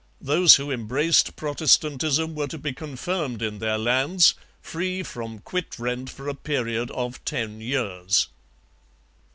Those who embraced Protestantism were to be confirmed in their lands, free from quit rent for a period of ten years.